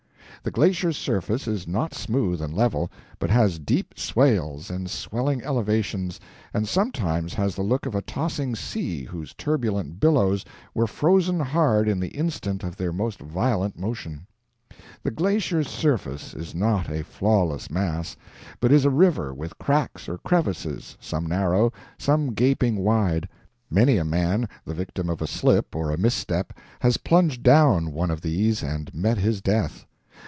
The glacier's surface is not smooth and level, but has deep swales and swelling elevations, and sometimes has the look of a tossing sea whose turbulent billows were frozen hard in the instant of their most violent motion; the glacier's surface is not a flawless mass, but is a river with cracks or crevices, some narrow, some gaping wide. Many a man, the victim of a slip or a misstep, has plunged down one of these and met his death.